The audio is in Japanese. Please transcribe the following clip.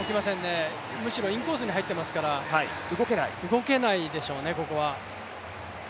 むしろインコースに入ってますから動けないでしょうね、ここは。